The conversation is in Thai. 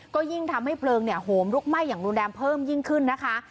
ก็ยิ่งทำให้เพลิงโหมลุกไหม้อย่างรุนแรงเพิ่มยิ่งขึ้นนะคะ